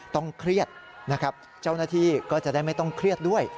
เครียดนะครับเจ้าหน้าที่ก็จะได้ไม่ต้องเครียดด้วย